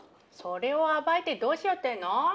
それを暴いてどうしようっていうの？